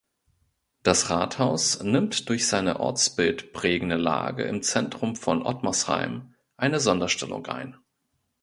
Das Rathaus nimmt durch seine ortsbildprägende Lage im Zentrum von Ottmarsheim eine Sonderstellung ein.